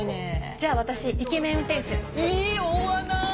じゃあ私イケメン運転手。え大穴！